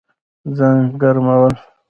ځان ګرمول